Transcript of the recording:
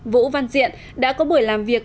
vũ văn diện đã có buổi làm việc